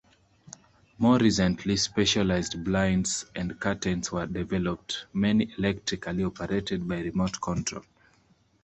More recently, specialized blinds and curtains were developed, many electrically operated by remote control.